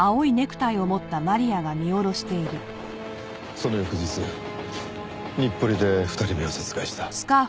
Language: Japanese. その翌日日暮里で２人目を殺害した。